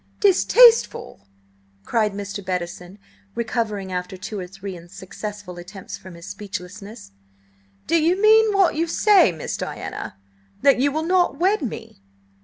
"Distasteful!" cried Mr. Bettison, recovering after two or three unsuccessful attempts from his speechlessness. "Do you mean what you say, Miss Diana? That you will not wed me?"